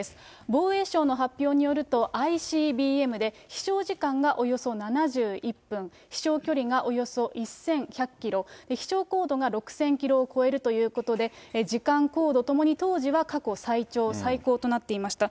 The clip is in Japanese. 防衛省の発表によると、ＩＣＢＭで飛しょう時間がおよそ７１分、飛しょう距離がおよそ１１００キロ、飛しょう高度が６０００キロを超えるということで、時間、高度ともに当時は過去最長、最高となっていました。